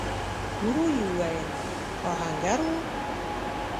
ورو يې وويل: آهنګر و؟